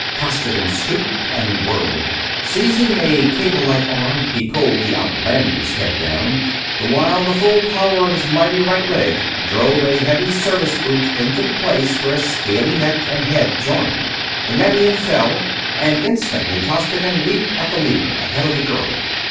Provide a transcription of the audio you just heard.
Costigan stooped and whirled. Seizing a cable like arm, he pulled the outlandish head down, the while the full power of his mighty right leg drove a heavy service boot into the place where scaly neck and head joined. The Nevian fell, and instantly Costigan leaped at the leader, ahead of the girl.